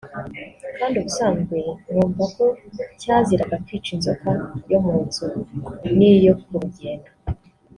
kandi ubusanzwe mwumva ko cyaziraga kwica inzoka yo mu nzu n’iyo ku rugendo